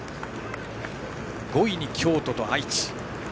５位に京都と愛知。